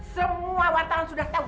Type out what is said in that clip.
semua wartawan sudah tahu